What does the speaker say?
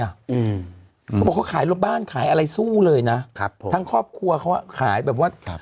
เขาบอกว่าเขาขายบ้านขายอะไรสู้เลยนะทั้งครอบครัวเขาขายแบบว่า